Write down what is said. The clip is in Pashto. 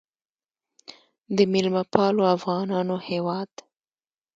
د میلمه پالو افغانانو هیواد.